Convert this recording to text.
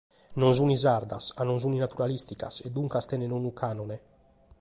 Non sunt sardas, ca non sunt naturalìsticas, e duncas tenent unu cànone.